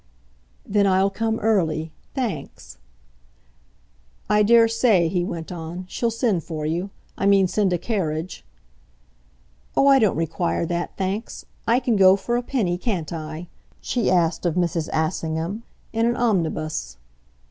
"Then I'll come early thanks." "I daresay," he went on, "she'll send for you. I mean send a carriage." "Oh, I don't require that, thanks. I can go, for a penny, can't I?" she asked of Mrs. Assingham, "in an omnibus."